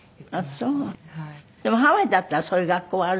あっそうでもハワイだったらそういう学校はあるでしょ？